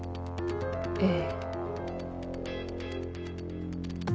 ええ。